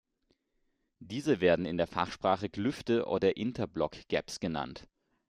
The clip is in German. Diese werden in der Fachsprache "Klüfte" oder "Interblock-Gaps" genannt.